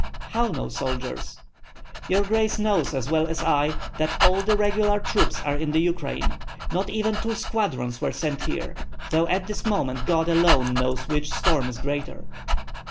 "How no soldiers?" "Your grace knows as well as I that all the regular troops are in the Ukraine. Not even two squadrons were sent here, though at this moment God alone knows which storm is greater."